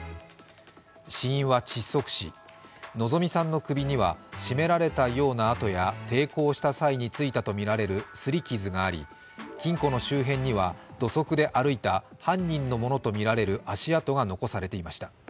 死因は窒息死、希美さんの首には絞められたようなあとや抵抗した際についたとみられるすり傷があり金庫の周辺には土足で歩いた犯人のものとみられる足跡が残されていました。